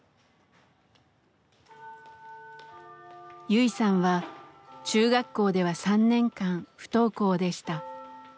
ユイさんは中学校では３年間不登校でした。